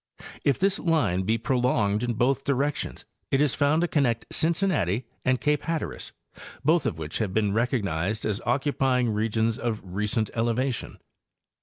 If this line be prolonged in both directions it is found to connect Cincinnati and cape Hatteras, both of which have been recognized as occupying regions of recent elevation.